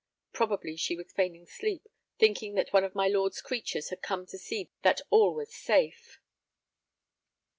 Probably she was feigning sleep, thinking that one of my lord's creatures had come to see that all was safe.